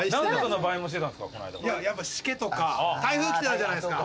やっぱしけとか台風来てたじゃないですか。